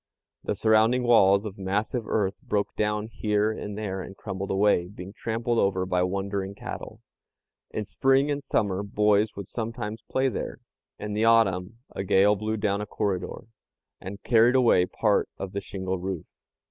The surrounding walls of massive earth broke down here and there and crumbled away, being trampled over by wandering cattle. In spring and summer boys would sometimes play there. In the autumn a gale blew down a corridor, and carried away part of the shingle roof.